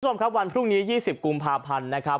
สวัสดีค่ะวันพรุ่งนี้๒๐กุมภาพันธ์นะครับ